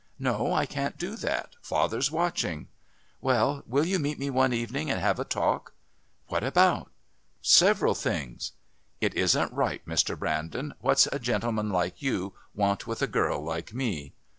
"No, I can't do that. Father's watching." "Well, will you meet me one evening and have a talk?" "What about?" "Several things." "It isn't right, Mr. Brandon. What's a gentleman like you want with a girl like me?"